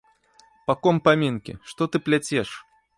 Па ком памінкі, што ты пляцеш?